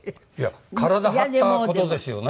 体張った事ですよね